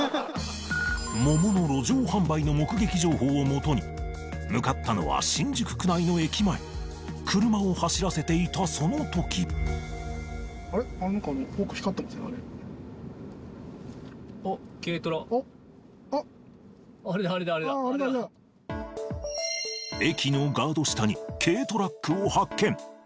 桃の路上販売の目撃情報をもとに向かったのは新宿区内の駅前車を走らせていたその時駅のガード下に軽トラックを発見